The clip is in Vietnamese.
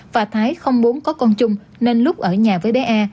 và thái không muốn có con chung nên lúc ở nhà với bé e